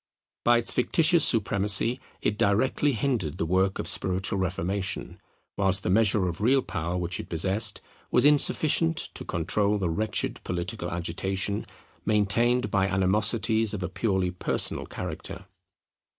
By its fictitious supremacy it directly hindered the work of spiritual reformation, whilst the measure of real power which it possessed was insufficient to control the wretched political agitation maintained by animosities of a purely personal character.